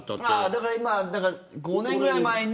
だから今、５年ぐらい前に。